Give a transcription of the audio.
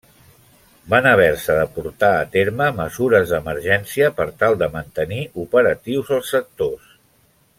Van haver-se de portar a terme mesures d'emergència per tal de mantenir operatius els sectors.